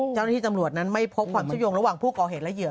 เจ้าหน้าที่ตำรวจนั้นไม่พบความเชื่อมโยงระหว่างผู้ก่อเหตุและเหยื